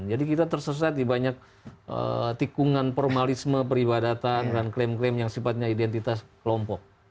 jadi kita tersesat di banyak tikungan formalisme peribadatan dan klaim klaim yang sifatnya identitas kelompok